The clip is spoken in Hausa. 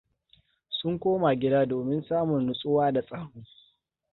Sun koma gida domin samun nutsuwa da tsaro.